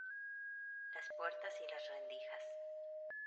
las puertas y las rendijas.